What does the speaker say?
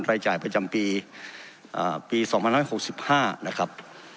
รายจ่ายประจำปีอ่าปีสองพันห้าน้อยหกสิบห้านะครับ